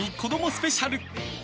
スペシャル。